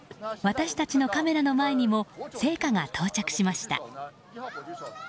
私たちのカメラの前にも聖火が到着しました。